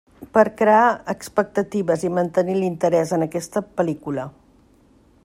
Per crear expectatives i mantenir l'interès en aquesta pel·lícula.